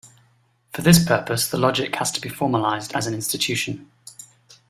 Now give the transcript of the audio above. For this purpose, the logic has to be formalized as an institution.